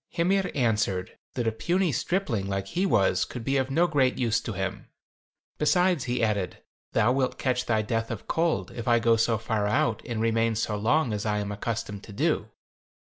Hymir answered, that a puny stripling like he was could be of no great use to him. 'Besides,' he added, 'thou wilt catch thy death of cold if I go so far out and remain so long as I am accustomed to do.'